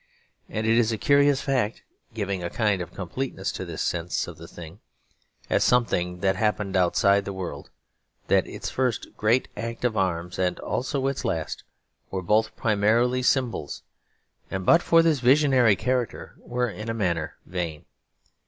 And it is a curious fact, giving a kind of completeness to this sense of the thing as something that happened outside the world, that its first great act of arms and also its last were both primarily symbols; and but for this visionary character, were in a manner vain.